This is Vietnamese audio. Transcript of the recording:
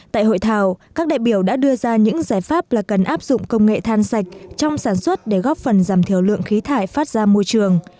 tại hội thảo các đại biểu đã đưa ra những giải pháp là cần áp dụng công nghệ than sạch trong sản xuất để góp phần giảm thiểu lượng khí thải phát ra môi trường